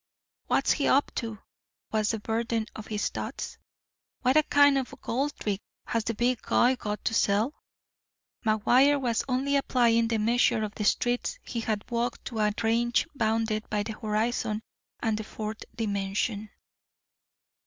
"W'at's he up to?" was the burden of his thoughts; "w'at kind of a gold brick has the big guy got to sell?" McGuire was only applying the measure of the streets he had walked to a range bounded by the horizon and the fourth dimension.